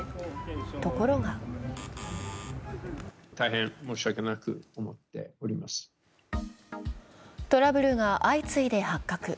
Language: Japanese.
ところがトラブルが相次いで発覚。